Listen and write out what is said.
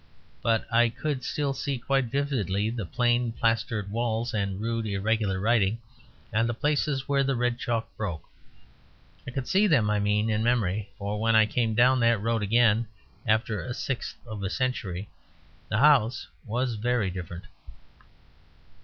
But I could still see quite vividly the plain plastered walls and the rude, irregular writing, and the places where the red chalk broke. I could see them, I mean, in memory; for when I came down that road again after a sixth of a century the house was very different.